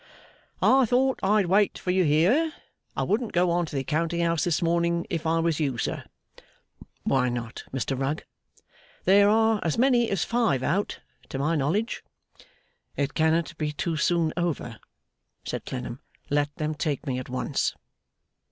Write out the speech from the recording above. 'I thought I'd wait for you here. I wouldn't go on to the Counting house this morning if I was you, sir.' 'Why not, Mr Rugg?' 'There are as many as five out, to my knowledge.' 'It cannot be too soon over,' said Clennam. 'Let them take me at once.